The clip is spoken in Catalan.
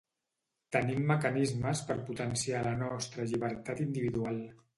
tenim mecanismes per potenciar la nostra llibertat individual